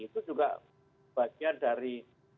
itu juga bagian dari